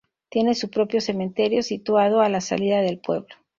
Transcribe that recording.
Tiene su propio cementerio, situado a la salida del pueblo.